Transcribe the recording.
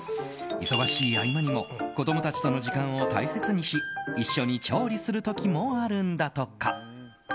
忙しい合間にも子供たちとの時間を大切にし一緒に調理する時もあるんだとか。